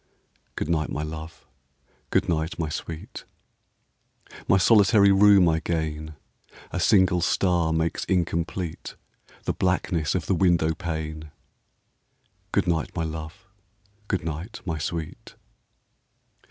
Good night, my love! good night, my sweet! My solitary room I gain. A single star makes incomplete The blackness of the window pane. Good night, my love! good night, my sweet!